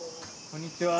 こんにちは。